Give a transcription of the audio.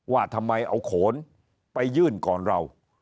ว่าทำไมเอาโขนไปยื่นก่อนเรา